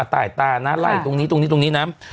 ตายตานะไล่ตรงนี้ตรงนี้ตรงนี้นะ